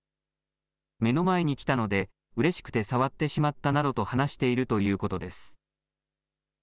目の前に来たのでうれしくて触ってしまったなどと話しているということです。